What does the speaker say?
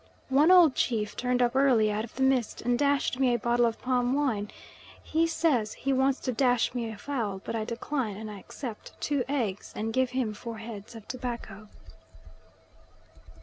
One old chief turned up early out of the mist and dashed me a bottle of palm wine; he says he wants to dash me a fowl, but I decline, and accept two eggs, and give him four heads of tobacco.